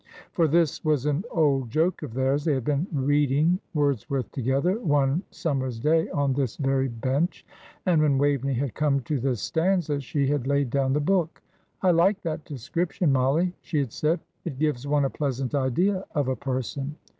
'" For this was an old joke of theirs. They had been reading Wordsworth together one summer's day on this very bench, and when Waveney had come to this stanza she had laid down the book. "I like that description, Mollie," she had said; "it gives one a pleasant idea of a person.